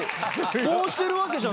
こうしてるわけじゃ。